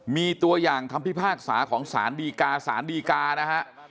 มีตัวอย่างคำพิพากษาของสารดีการสารดีกานะฮะ